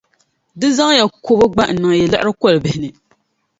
di zaŋya kɔbo gba n-niŋ yi liɣiri kolibihi ni.